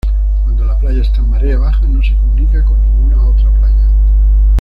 Cuando la playa está en marea baja no se comunica con ninguna otra playa.